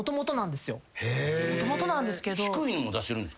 もともとなんですけど。